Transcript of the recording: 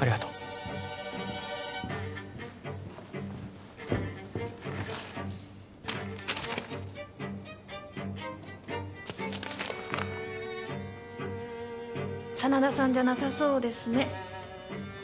ありがとう真田さんじゃなさそうですね